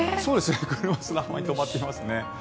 車、砂浜に止まっていますね。